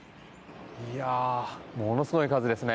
いや、ものすごい数ですね。